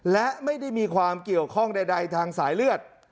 และไม่ได้มีความเกี่ยวข้องใดทางสายเลือด